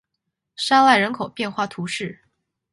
沙赖人口变化图示